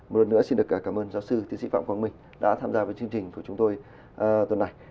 một lần nữa xin được cảm ơn giáo sư tiến sĩ phạm quang minh đã tham gia với chương trình của chúng tôi tuần này